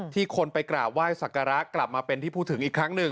คนไปกราบไหว้สักการะกลับมาเป็นที่พูดถึงอีกครั้งหนึ่ง